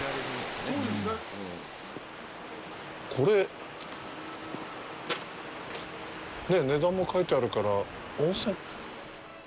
これ？ねぇ、値段も書いてあるから、温泉？